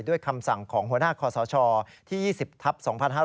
คำสั่งของหัวหน้าคอสชที่๒๐ทัพ๒๕๕๙